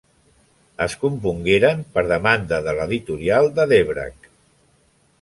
Es compongueren per demanda de l'editorial de Dvořák.